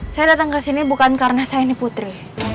saya datang ke sini bukan karena saya ini putri